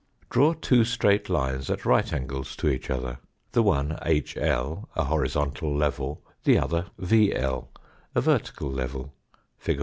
Draw two straight lines at right angles to each other, the one HL a horizontal level, the other VL a vertical level (fig.